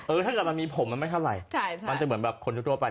ถ้าเกิดมันมีผมมันไม่เท่าไหร่มันจะเหมือนแบบคนทั่วไป